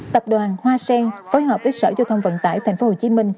tập đoàn hoa sen phối hợp với sở giao thông vận tải tp hcm